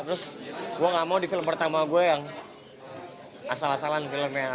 terus gue gak mau di film pertama gue yang asal asalan filmnya